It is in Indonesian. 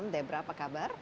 debra apa kabar